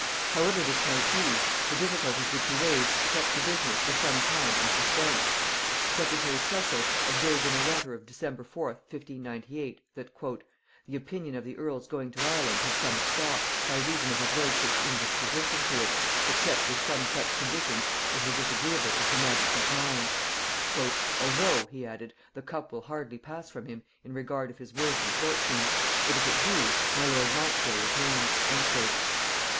However this might be, the difficulties which he raised kept the business for some time in suspense. Secretary Cecil observed in a letter of December 4th, 1598, that "the opinion of the earl's going to Ireland had some stop, by reason of his lordship's indisposition to it, except with some such conditions as were disagreeable to her majesty's mind;" "although," he added, "the cup will hardly pass from him in regard of his worth and fortune: but if it do, my lord Montjoy is named." [Note 130: Birch.